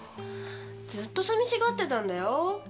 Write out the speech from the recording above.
ずっとさみしがってたんだよ。